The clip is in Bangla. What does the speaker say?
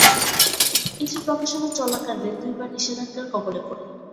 এটির প্রকাশনা চলাকালীন দুইবার নিষেধাজ্ঞার কবলে পরে।